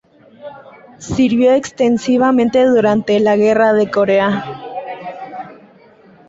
Sirvió extensivamente durante la Guerra de Corea.